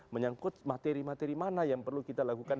menyangkut materi materi mana yang perlu kita lakukan